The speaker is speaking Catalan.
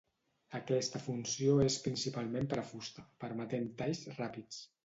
Aquesta funció és principalment per a fusta, permetent talls ràpids.